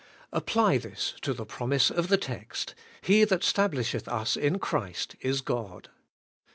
Apply this to the promise of the text: 'He that stablisheth us in Christ is God.'